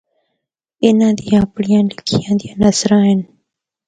اِناں دی اپنڑیاں لکھیاں دیاں نثراں ہن۔